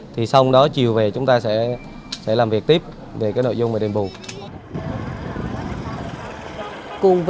thì sau đó chiều về chúng ta sẽ làm việc tiếp về nội dung về đền bù